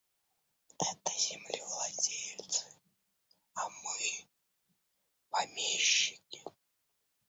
Это землевладельцы, а мы помещики.